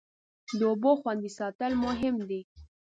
د اوبو خوندي ساتل مهم دی.